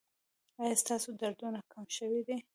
ایا ستاسو دردونه کم شوي دي؟